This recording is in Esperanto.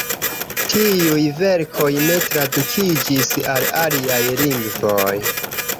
Tiuj verkoj ne tradukiĝis al aliaj lingvoj.